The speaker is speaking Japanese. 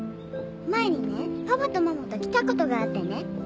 前にねパパとママと来たことがあってね。